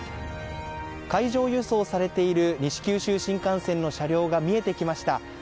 海上輸送されている西九州新幹線の車両が見えてきました。